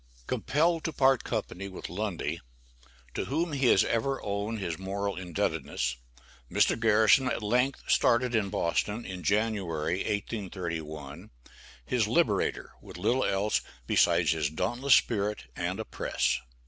Compelled to part company with Lundy, to whom he has ever owned his moral indebtedness, Mr. Garrison at length started in Boston, in January 1831, his "Liberator" with little else besides his "dauntless spirit and a press."